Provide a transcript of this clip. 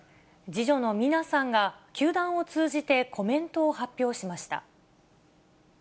次女の三奈さんが、球団を通じてコメントを発表しました。